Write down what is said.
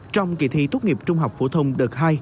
trong kỳ thi tốt nghiệp trung học phổ thông đợt hai